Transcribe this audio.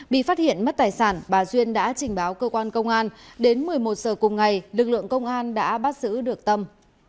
bị phát hiện mất tài sản bà duyên đã trình báo cơ quan công an đến một mươi một giờ cùng ngày lực lượng công an đã bắt giữ được tâm